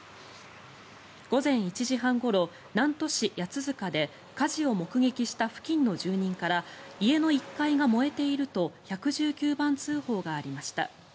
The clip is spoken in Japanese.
午前１時半ごろ、南砺市八塚で火事を目撃した付近の住民から家の１階が燃えていると１１９番通報がありました。